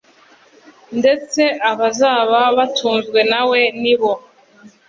ndetse abazaba batunzwe na we ni bo